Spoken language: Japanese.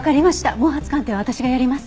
毛髪鑑定は私がやります。